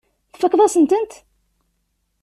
Tfakkeḍ-as-tent.